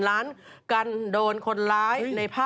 ล้านกันโดนคนร้าย